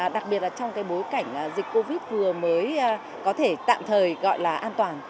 đặc biệt là trong cái bối cảnh dịch covid vừa mới có thể tạm thời gọi là an toàn